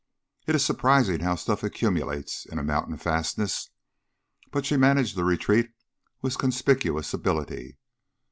It is surprising how stuff accumulates in a mountain fastness. But she managed the retreat with conspicuous ability.